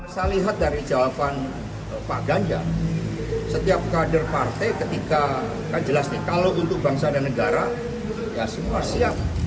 saya lihat dari jawaban pak ganjar setiap kader partai ketika kan jelas nih kalau untuk bangsa dan negara ya semua siap